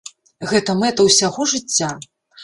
Гэта мэта ўсяго жыцця.